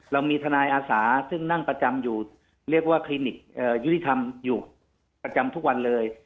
เรามีทนายอาสาซึ่งนั่งประจำอยู่เรียกว่าคลินิกยุติธรรมอยู่ประจำทุกวันเลย